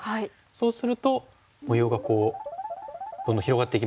そうすると模様がこうどんどん広がっていきますよね。